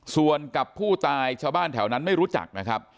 ส่วนกับผู้ตายชาวบ้านแถวนั้นไม่รู้จักนะครับ